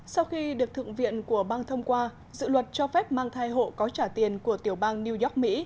sau khi được thượng viện của bang thông qua dự luật cho phép mang thai hộ có trả tiền của tiểu bang new york mỹ